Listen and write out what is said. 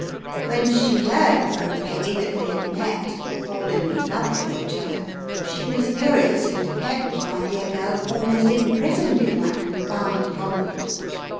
When she heard from Peggy that we had met, and fallen in love with each other, she was furious, and kept my dear girl almost imprisoned in that confounded convent.